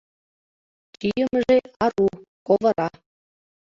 Чийымыже ару, ковыра.